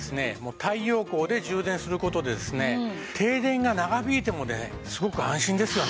太陽光で充電する事で停電が長引いてもねすごく安心ですよね。